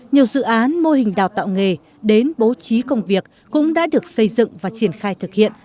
nhiều dự án mô hình đào tạo nghề đến bố trí công việc cũng đã được xây dựng và triển khai thực hiện